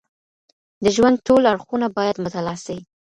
د ژوند ټول اړخونه باید مطالعه سي.